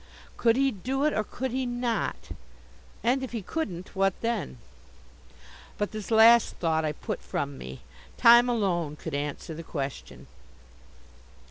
Could he do it, or could he not? And if he couldn't what then? But this last thought I put from me. Time alone could answer the question.